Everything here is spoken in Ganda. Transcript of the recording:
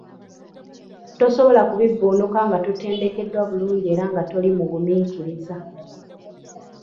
Tosobola kubivvuunuka nga totendekeddwa bulungi era nga toli mugumiikiriza!